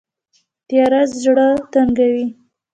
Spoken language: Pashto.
تیاره زړه تنګوي